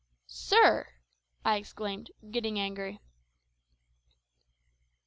"Sir!" I exclaimed, getting angry.